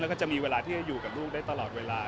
คือจะมีเวลาที่อยู่กับลูกไว้ตลอดเวลา